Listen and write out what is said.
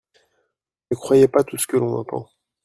Ne croyez pas tout ce que l’on entend.